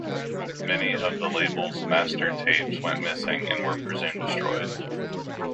Many of the label's master tapes went missing and were presumed destroyed.